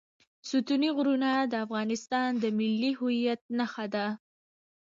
ستوني غرونه د افغانستان د ملي هویت نښه ده.